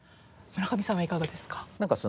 村上さんはいかがですか？